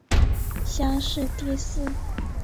乡试第四。